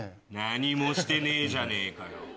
何もしてねえじゃねぇかよ。